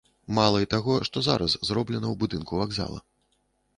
Мала і таго, што зараз зроблена ў будынку вакзала.